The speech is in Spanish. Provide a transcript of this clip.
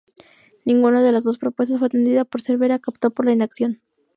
Ninguna de las dos propuestas fue atendida por Cervera, que optó por la inacción.